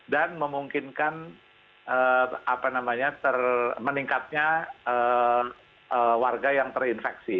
dan memungkinkan apa namanya meningkatnya warga yang terinfeksi